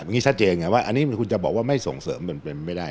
อันนี้คุณจะบอกว่าไม่ส่งเสริมมันเป็นไม่ได้